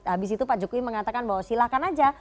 habis itu pak jokowi mengatakan bahwa silahkan aja